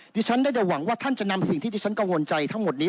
ดิฉันได้แต่หวังว่าท่านจะนำสิ่งที่ที่ฉันกังวลใจทั้งหมดนี้